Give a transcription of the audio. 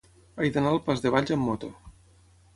He d'anar al pas de Valls amb moto.